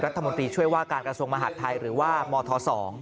รัฐมนตรีช่วยว่าการกระทรวงมหาดไทยหรือว่ามธ๒